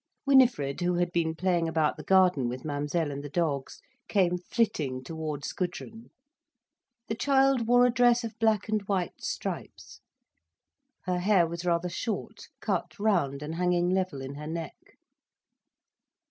Winifred, who had been playing about the garden with Mademoiselle and the dogs, came flitting towards Gudrun. The child wore a dress of black and white stripes. Her hair was rather short, cut round and hanging level in her neck.